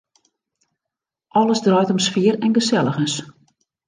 Alles draait om sfear en geselligens.